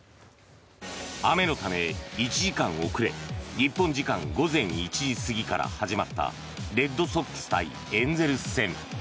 雨のため、１時間遅れ日本時間午前１時過ぎから始まったレッドソックス対エンゼルス戦。